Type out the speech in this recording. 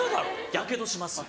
ヤケドします。